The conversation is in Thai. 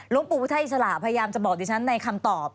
ปู่พุทธอิสระพยายามจะบอกดิฉันในคำตอบ